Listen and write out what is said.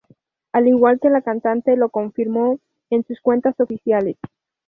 Al igual que la cantante lo confirmó en sus cuentas oficiales.